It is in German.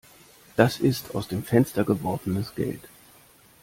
Das ist aus dem Fenster geworfenes Geld.